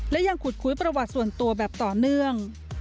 และยังขุดคุยประวัติส่วนตัวแบบต่อเนื่อง